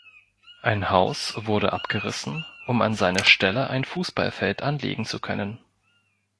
Ein Haus wurde abgerissen, um an seiner Stelle ein Fußballfeld anlegen zu können.